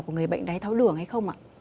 của người bệnh đài tháo đường hay không ạ